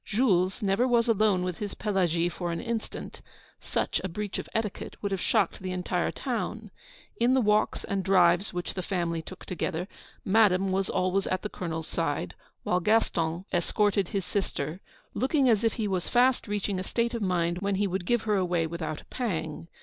Jules never was alone with his Pelagie for an instant; such a breach of etiquette would have shocked the entire town. In the walks and drives which the family took together, Madame was always at the Colonel's side; while Gaston escorted his sister, looking as if he was fast reaching a state of mind when he would give her away without a pang.